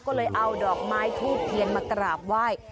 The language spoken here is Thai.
ก็เลยเอาดอกไม้ทูเพียงมากราบว่าย